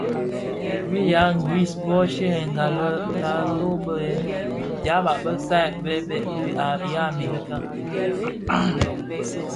Bë ya ngris bö sherènga lè be taatôh bë dyaba bë saad bë bë ya Amerika.